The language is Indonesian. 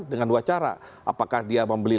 dengan dua cara apakah dia membeli